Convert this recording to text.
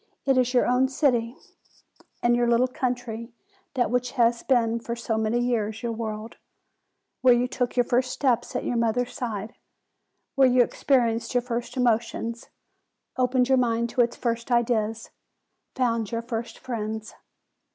It is your own city, and your little country that which has been for so many years your world; where you took your first steps at your mother's side; where you experienced your first emotions, opened your mind to its first ideas, found your first friends.